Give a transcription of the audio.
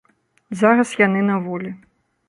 Зараз яны на волі.